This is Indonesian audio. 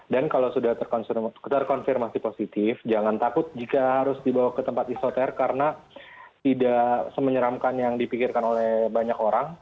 dan kalau sudah terkonfirmasi positif jangan takut jika harus dibawa ke tempat isoter karena tidak semenyeramkan yang dipikirkan oleh banyak orang